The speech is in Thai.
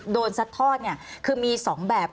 โดนสัดทอดเนี่ยคือมีสองแบบ